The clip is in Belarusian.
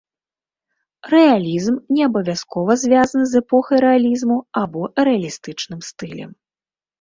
Рэалізм не абавязкова звязаны з эпохай рэалізму або рэалістычным стылем.